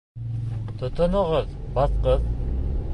Тотоноғоҙ, баҫҡыс!